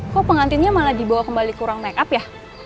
kok pengantinnya malah dibawa kembali kurang make up ya